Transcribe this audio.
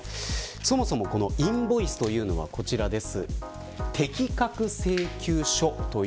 そもそも、このインボイスというのはこちらです。